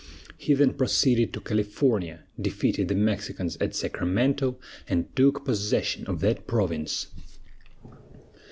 He then proceeded to California, defeated the Mexicans at Sacramento, and took possession of that province.